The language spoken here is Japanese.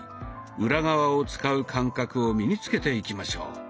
裏側を使う感覚を身に付けていきましょう。